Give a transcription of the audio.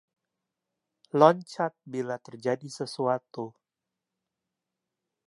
Loncat bila terjadi sesuatu.